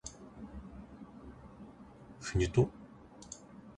不入斗